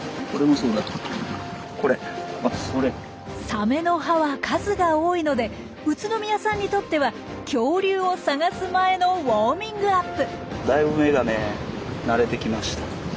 サメの歯は数が多いので宇都宮さんにとっては恐竜を探す前のウォーミングアップ。